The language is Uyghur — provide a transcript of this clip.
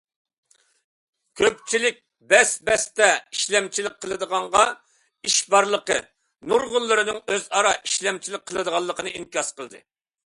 كۆپچىلىك بەس- بەستە ئىشلەمچىلىك قىلىدىغانغا ئىش بارلىقى، نۇرغۇنلىرىنىڭ ئۆزئارا ئىشلەمچىلىك قىلىدىغانلىقىنى ئىنكاس قىلدى.